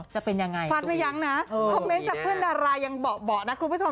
จะเป็นยังไงฟาดไม่ยั้งนะคอมเมนต์จากเพื่อนดารายังเบาะนะคุณผู้ชม